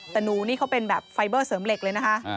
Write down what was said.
แต่หนูนี่เขาเป็นแบบไฟเบอร์เสริมเหล็กเลยนะคะ